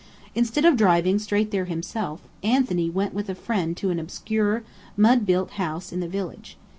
Instead of driving straight there himself, Anthony went with a friend to an obscure, mud built house in the village.